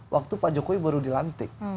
waktu pak jokowi baru dilantik